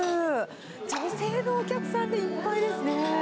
女性のお客さんでいっぱいですね。